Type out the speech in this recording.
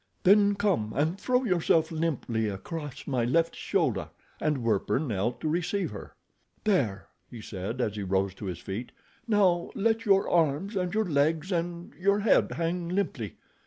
"Then come and throw yourself limply across my left shoulder," and Werper knelt to receive her. "There," he said, as he rose to his feet. "Now, let your arms, your legs and your head hang limply.